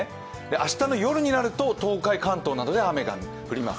明日の夜になると東海、関東などで雨が降ります。